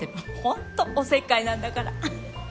本当おせっかいなんだから。